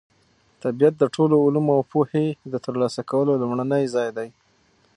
طبیعت د ټولو علومو او پوهې د ترلاسه کولو لومړنی ځای دی.